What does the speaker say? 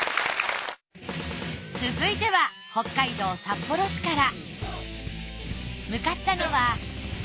続いては北海道札幌市から。